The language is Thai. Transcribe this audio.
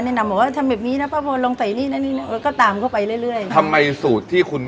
แน่นำก็จะมีความภาษี